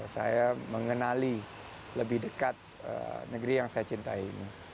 saya mengenali lebih dekat negeri yang saya cintai ini